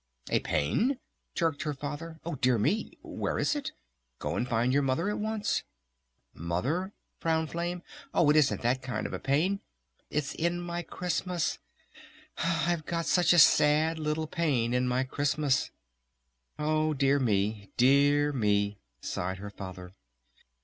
"A pain?" jerked her Father. "Oh dear me! Where is it? Go and find your Mother at once!" "Mother?" frowned Flame. "Oh it isn't that kind of a pain. It's in my Christmas. I've got such a sad little pain in my Christmas." "Oh dear me dear me!" sighed her Father.